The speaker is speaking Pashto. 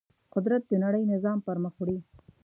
قدرت د نړۍ نظام پر مخ وړي.